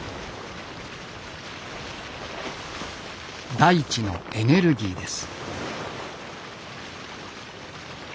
大地のエネルギーです。